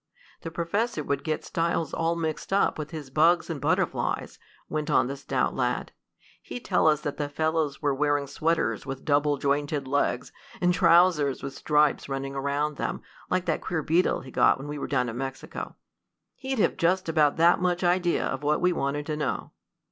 "The professor would get styles all mixed up with his bugs and butterflies," went on the stout lad. "He'd tell us that the fellows were wearing sweaters with double jointed legs, and trousers with stripes running around them like that queer beetle he got when we were down in Mexico. He'd have just about that much idea of what we wanted to know."